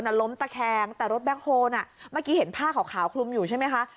ล้มตะแคงแต่รถแบ็คโฮลน่ะเมื่อกี้เห็นผ้าขาวคลุมอยู่ใช่ไหมคะ